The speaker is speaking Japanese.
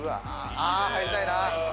あー、入りたいな。